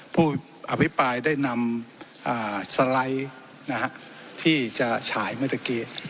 ผู้อภิปรายได้นำสไลด์ที่จะฉายเมื่อตะกี้